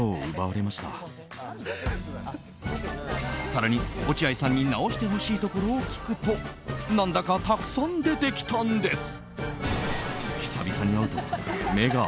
更に、落合さんに直してほしいところを聞くと何だかたくさん出てきたんです。